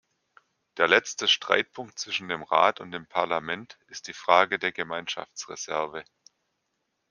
Der letzte Streitpunkt zwischen dem Rat und dem Parlament ist die Frage der Gemeinschaftsreserve.